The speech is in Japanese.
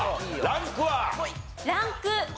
ランク３。